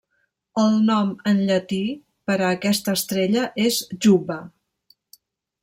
El nom en llatí per a aquesta estrella és Juba.